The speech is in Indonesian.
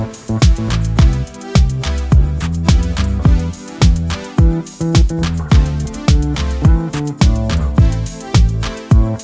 lu tuh emang paling baik deh